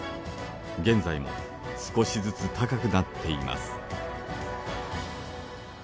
現在も少しずつ高くなっています。